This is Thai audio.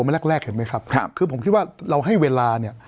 แรกแรกเห็นไหมครับคือผมคิดว่าเราให้เวลาเนี่ย